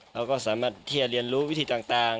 เราก็สามารถที่จะเรียนรู้วิธีต่าง